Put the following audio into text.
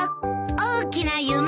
大きな夢。